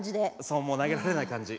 そうもう投げられない感じ。